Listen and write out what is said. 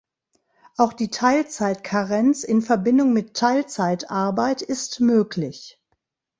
Auch die Teilzeit-Karenz in Verbindung mit Teilzeitarbeit ist möglich.